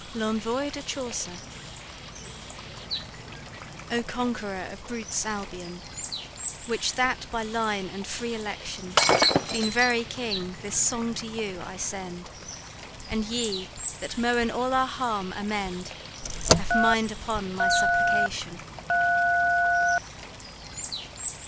Lenvoy de Chaucer O conqueror of Brute's Albion*, *England Which that by line and free election Be very king, this song to you I send; And you, that may all our harms amend, Have mind upon my supplication!